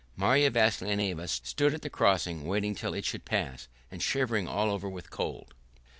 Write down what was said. Marya Vassilyevna stood at the crossing waiting till it should pass, and shivering all over with cold.